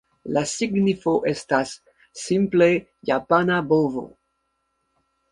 La signifo estas, simple, "japana bovo".